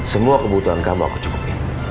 semua kebutuhan kamu aku cukupin